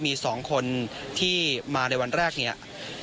มี๒คนที่มาในวันแรกเนี่ย